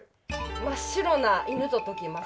真っ白な犬と解きます。